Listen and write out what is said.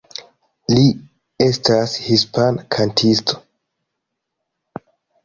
Li estas hispana kantisto.